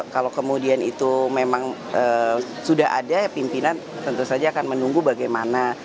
kalau kemudian itu memang sudah ada pimpinan tentu saja akan menunggu bagaimana